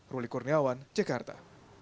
ruli kurniawan jakarta